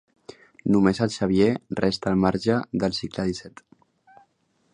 Només el Xavier resta al marge del cicle disset.